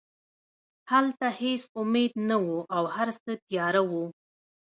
هلته هېڅ امید نه و او هرڅه تیاره وو